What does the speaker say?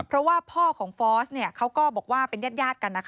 เพราะว่าพ่อของฟอสเขาก็บอกว่าเป็นญาติกัน